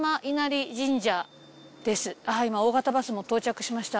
今大型バスも到着しました。